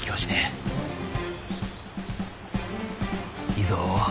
いいぞ。